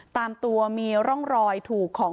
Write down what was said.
ตามตัวมีร่องรอยถูกของ